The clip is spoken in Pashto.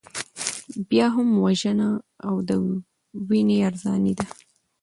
بیا هم وژنه او د وینو ارزاني ده.